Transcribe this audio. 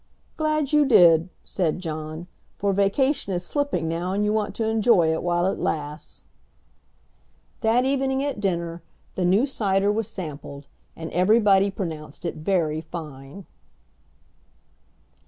"Glad you did," said John, "for vacation is slipping now and you want to enjoy it while it lasts." That evening at dinner the new cider was sampled, and everybody pronounced it very fine.